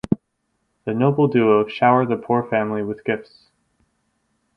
The noble duo shower the poor family with gifts.